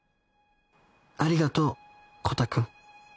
ありがとうコタくん。